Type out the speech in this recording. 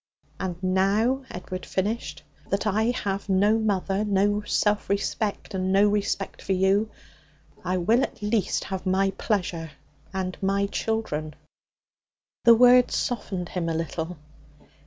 'And now,' Edward finished, 'that I have no mother, no self respect, and no respect for you, I will at least have my pleasure and my children. The words softened him a little.